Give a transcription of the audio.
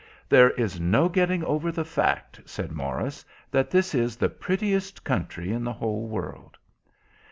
"There is no getting over the fact," said Morris, "that this is the prettiest country in the whole world."